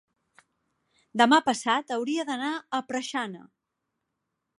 demà passat hauria d'anar a Preixana.